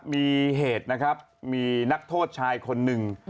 มีเหตุนะครับมีนักโทษชายคนหนึ่ง